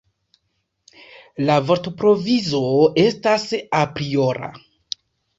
La vortprovizo estas apriora.